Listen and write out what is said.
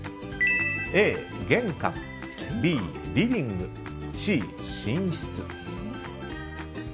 Ａ、玄関Ｂ、リビングＣ、寝室。